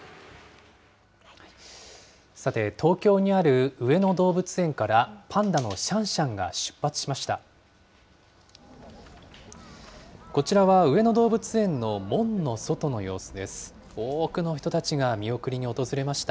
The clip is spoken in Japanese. さて、東京にある上野動物園からパンダのシャンシャンが出発しました。